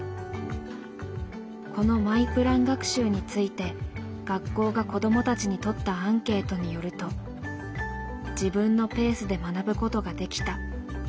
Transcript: このマイプラン学習について学校が子どもたちに取ったアンケートによると「自分のペースで学ぶことができた」